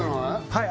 はい